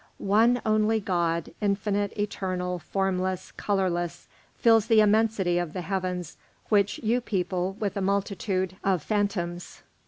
One only God, infinite, eternal, formless, colourless, fills the immensity of the heavens which you people with a multitude of phantoms.